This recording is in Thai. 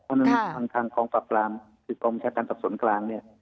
เพราะฉะนั้นทางกองปรับรามคือกองชาการสอบสวนกลางเนี่ย